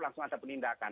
langsung ada penindakan